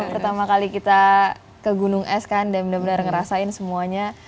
pertama kali kita ke gunung es kan dan benar benar ngerasain semuanya